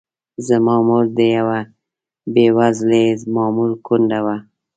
زما مور د یوه بې وزلي مامور کونډه وه.